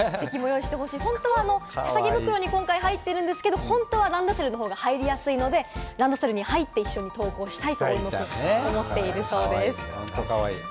本当は手提げ袋に今回入っているんですけれども、本当はランドセルの方が入りやすいのでランドセルに入って一緒に登校したいと思っているそうです。